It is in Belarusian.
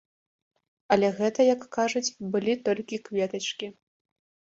Але гэта, як кажуць, былі толькі кветачкі.